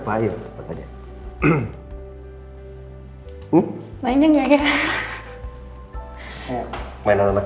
kayak udah lama gak ngeliat kayak gini